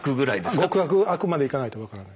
極悪悪までいかないと分からない。